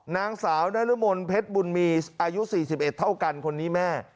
นางสาวนรมนเพชรบุญมีอายุ๔๑เท่ากันคนนี้แม่